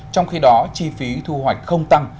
trong khi đó chi phí thu hoạch không tăng